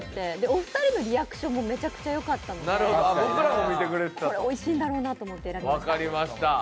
お二人のリアクションもめちゃくちゃよかったのでこれおいしいんだろうなと思って選びました。